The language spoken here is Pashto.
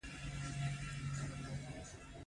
په غټو تورو سترګو يې نجلۍ ته اشاره وکړه.